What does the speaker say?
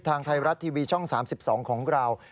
ทางไทยรัฐทีวีช่อง๓๒ของเรา